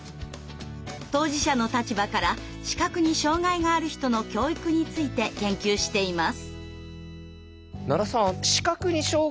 当事者の立場から視覚に障害がある人の教育について研究しています。